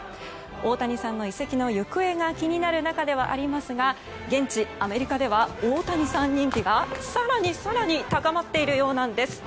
大谷さんの移籍の行方が気になる中ではありますが現地アメリカでは大谷さん人気が更に更に高まっているようなんです。